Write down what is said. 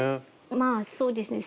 まあそうですね。